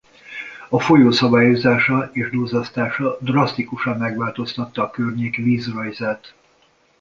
A folyó szabályozása és duzzasztása drasztikusan megváltoztatta a környék vízrajzát.